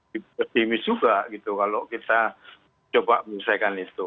diperhemis juga gitu kalau kita coba menyelesaikan itu